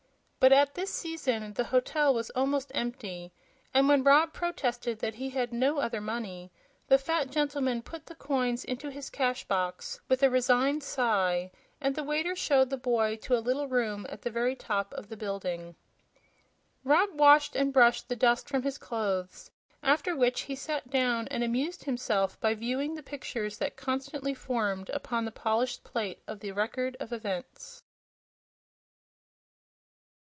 But at this season the hotel was almost empty, and when Rob protested that he had no other money the fat gentleman put the coins into his cash box with a resigned sigh and the waiter showed the boy to a little room at the very top of the building. Rob washed and brushed the dust from his clothes, after which he sat down and amused himself by viewing the pictures that constantly formed upon the polished plate of the Record of Events.